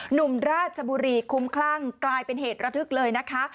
หนุ่มราชบุรีคุ้มคลั่งกลายเป็นเหตุระทึกเลยนะคะ